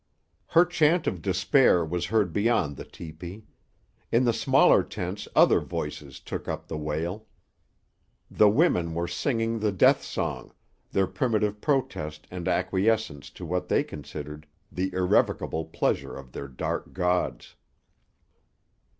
Her chant of despair was heard beyond the tepee. In the smaller tents other voices took up the wail. The women were singing the death song, their primitive protest and acquiescence to what they considered the irrevocable pleasure of their dark gods.